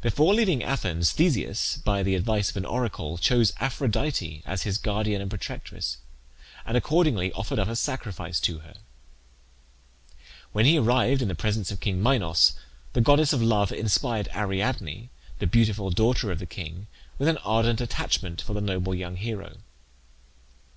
Before leaving Athens Theseus, by the advice of an oracle, chose Aphrodite as his guardian and protectress, and accordingly offered up a sacrifice to her. When he arrived in the presence of king Minos, the goddess of Love inspired Ariadne, the beautiful daughter of the king, with an ardent attachment for the noble young hero.